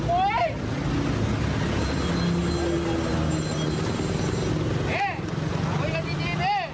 ไม่เอาไปดูคุณผู้ชมพัฒนาสภาพ